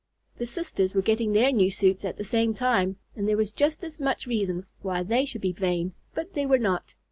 The sisters were getting their new suits at the same time, and there was just as much reason why they should be vain, but they were not.